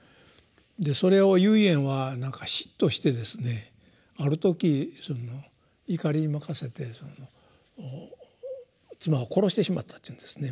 でそれを唯円はなんか嫉妬してですねある時怒りに任せて妻を殺してしまったっていうんですね。